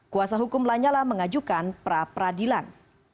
kuasa hukum lanyala mengajukan pra peradilan